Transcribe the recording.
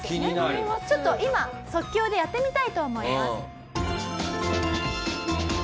ちょっと今即興でやってみたいと思います。